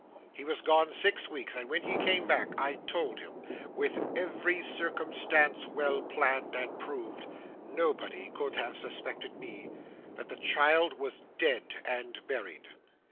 He was gone six weeks, and when he came back, I told him with every circumstance well planned and proved; nobody could have suspected me that the child was dead and buried.